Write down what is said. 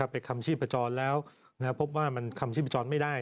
คำชีพจรแล้วพบว่ามันคำชีพจรไม่ได้